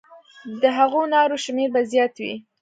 د هغو نارو شمېر به زیات وي.